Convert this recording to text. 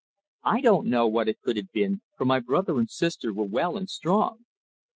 I don't know what it could have been, for my brother and sister were well and strong.